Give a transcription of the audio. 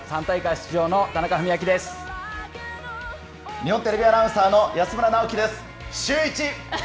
３大会日本テレビアナウンサーの安村直樹です。